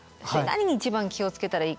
何に一番気を付けたらいいか。